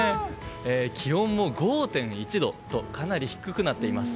気温も５．１度とかなり低くなっています。